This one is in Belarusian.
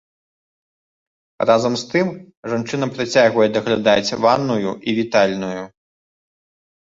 Разам з тым, жанчына працягвае даглядаць ванную і вітальную.